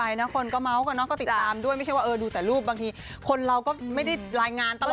อีกอย่างด้วยไม่ใช่ว่าเออดูแต่รูปบางทีคนเราก็ไม่ได้รายงานตลอดนะ